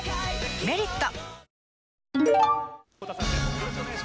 「メリット」